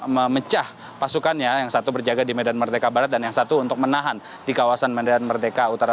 memecah pasukannya yang satu berjaga di medan merdeka barat dan yang satu untuk menahan di kawasan medan merdeka utara